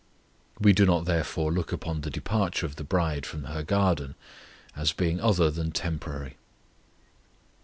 We do not therefore look upon the departure of the bride from her garden as being other than temporary.